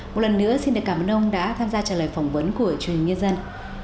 một lần nữa xin được cảm ơn ông đã tham gia trả lời phỏng vấn của truyền hình nhân dân